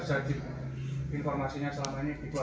jadi dia mengaku ngaku yang dia tidak mau